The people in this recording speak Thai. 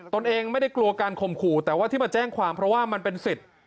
เองไม่ได้กลัวการข่มขู่แต่ว่าที่มาแจ้งความเพราะว่ามันเป็นสิทธิ์